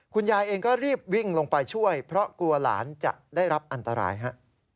คุณยายเองก็รีบวิ่งลงไปช่วยเพราะกลัวหลานจะได้รับอันตรายฮะ